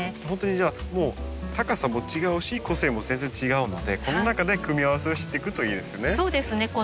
ほんとにじゃあもう高さも違うし個性も全然違うのでこの中で組み合わせをしていくといいですね。